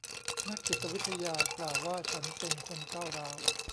นักจิตวิทยากล่าวว่าฉันเป็นคนก้าวร้าว